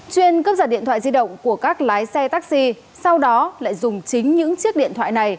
chuyên cướp giật điện thoại di động của các lái xe taxi sau đó lại dùng chính những chiếc điện thoại này